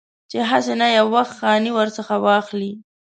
چې هسې نه یو وخت خاني ورڅخه واخلي.